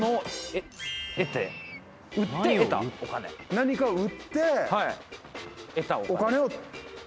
何かを売ってお金を。